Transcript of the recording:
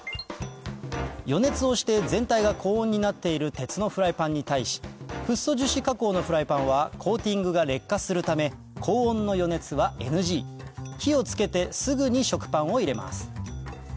予熱をして全体が高温になっている鉄のフライパンに対しフッ素樹脂加工のフライパンはコーティングが劣化するため高温の予熱はＮＧ火を付けてすぐに食パンを入れます